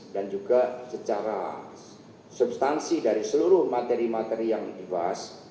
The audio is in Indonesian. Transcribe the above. dan juga secara substansi dari seluruh materi materi yang dibahas